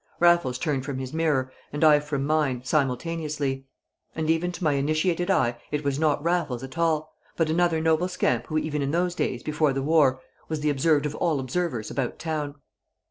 Raffles turned from his mirror, and I from mine, simultaneously; and even to my initiated eye it was not Raffles at all, but another noble scamp who even in those days before the war was the observed of all observers about town.